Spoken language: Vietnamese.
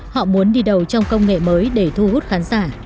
họ muốn đi đầu trong công nghệ mới để thu hút khán giả